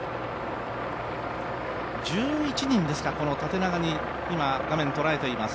１１人ですか、縦長に今、画面、捉えています。